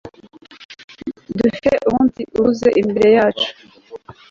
dufite umunsi uhuze imbere yacu